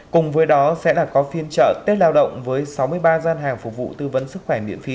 cùng với đó sẽ là có phiên trợ tết lao động với sáu mươi ba gian hàng phục vụ tư vấn sức khỏe miễn phí